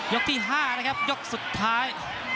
ที่๕นะครับยกสุดท้าย